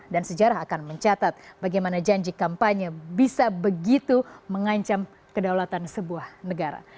dan sejarah akan mencatat bagaimana janji kampanye bisa begitu mengancam kedaulatan sebuah negara